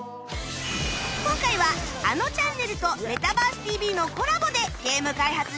今回は『あのちゃんねる』と『メタバース ＴＶ』のコラボでゲーム開発していくよー！